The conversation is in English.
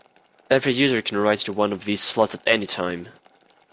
Every user can write into one of these slots at any time.